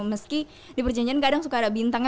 meski di perjanjian kadang suka ada bintang